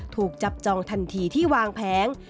ถูกจับจองทันทีที่วางแผง